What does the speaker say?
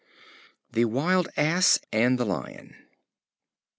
The Wild Ass and the Lion.